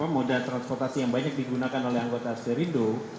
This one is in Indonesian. moda transportasi yang banyak digunakan oleh anggota sterindo